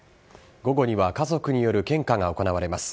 午後には家族による献花が行われます。